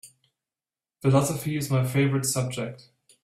Philosophy is my favorite subject.